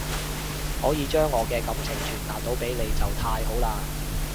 可以將我嘅感情傳達到俾你就太好喇